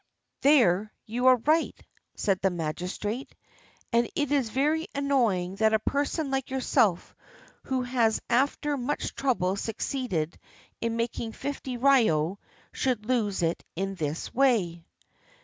"There you are right," said the magistrate, "and it is very annoying that a person like yourself who has after much trouble succeeded in making fifty ryo should lose it in this way."